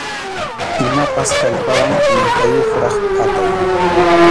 Imapas kallpawan kunkayuqraq phatay.